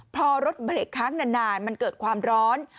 พอรถเบรกค้างนานมันเกิดความร้อน